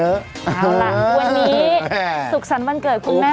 เอาล่ะวันนี้ศุกรรณวันเกิดคุณแม่โมสด้วยนะคะ